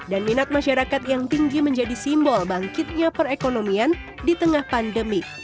dan minat masyarakat yang tinggi menjadi simbol bangkitnya perekonomian di tengah pandemi